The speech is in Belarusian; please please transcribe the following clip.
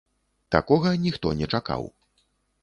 Такога ніхто не чакаў.